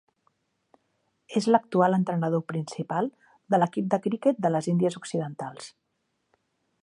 És l'actual entrenador principal de l'equip de criquet de les Índies Occidentals.